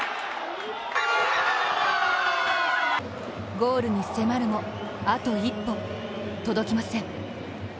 ゴールに迫るも、あと一歩届きません。